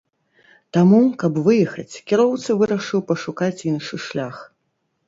Таму, каб выехаць, кіроўца вырашыў пашукаць іншы шлях.